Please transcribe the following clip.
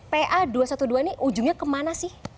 pa dua ratus dua belas ini ujungnya kemana sih